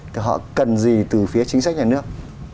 thì họ cần gì từ phía chính sách nhà nước